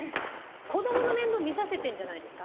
子供の面倒見させてんじゃないですか？